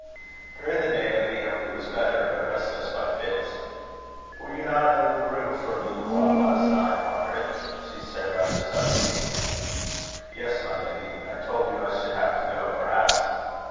During the day, Lady Emily was better, but restless by fits. "Were you not out of the room for a little while last night, Margaret?" she said, rather suddenly. "Yes, my lady. I told you I should have to go, perhaps."